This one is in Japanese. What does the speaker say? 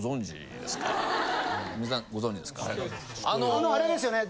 あのあれですよね